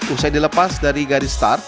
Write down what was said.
usai dilepas dari garis start